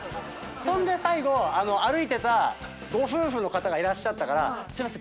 そんで最後歩いてたご夫婦の方いらっしゃったからすいません。